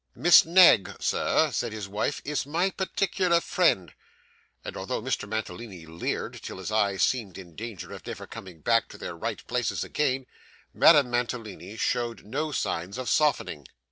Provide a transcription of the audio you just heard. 'Miss Knag, sir,' said his wife, 'is my particular friend;' and although Mr Mantalini leered till his eyes seemed in danger of never coming back to their right places again, Madame Mantalini showed no signs of softening.